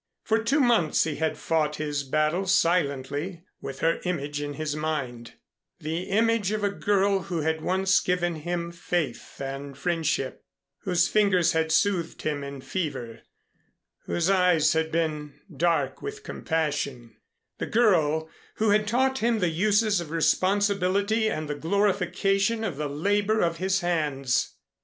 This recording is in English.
For two months he had fought his battle silently with her image in his mind the image of a girl who had once given him faith and friendship, whose fingers had soothed him in fever, and whose eyes had been dark with compassion the girl who had taught him the uses of responsibility and the glorification of the labor of his hands.